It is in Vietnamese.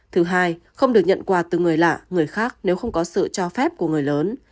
thứ hai không được nhận quà từ người lạ người khác nếu không có sự cho phép của người lớn